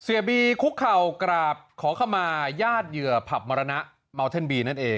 บีคุกเข่ากราบขอขมาญาติเหยื่อผับมรณะเมาเท่นบีนั่นเอง